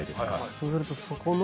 そうするとそこの。